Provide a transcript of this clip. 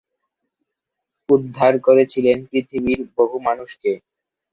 উদ্ধার করেছিলেন পৃথিবীর বহু মানুষকে।